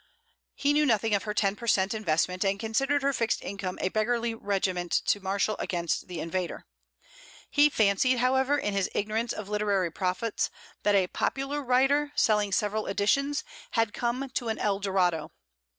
He knew nothing of her ten per cent. investment and considered her fixed income a beggarly regiment to marshal against the invader. He fancied however, in his ignorance of literary profits, that a popular writer, selling several editions, had come to an El Dorado.